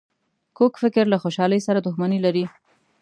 کوږ فکر له خوشحالۍ سره دښمني لري